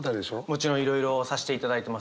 もちろんいろいろさせていただいてますね。